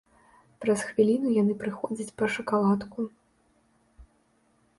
Праз хвіліну яны прыходзяць па шакаладку.